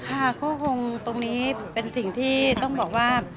ค่ะก็คงตรงนี้เป็นสิ่งที่ต้องบอกว่า